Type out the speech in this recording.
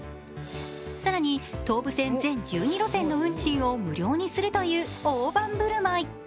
更に、東武線全１２路線の運賃を無料にするという大盤振る舞い。